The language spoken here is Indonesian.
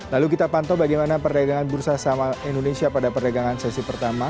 lalu kita pantau bagaimana perdagangan bursa saham indonesia pada perdagangan sesi pertama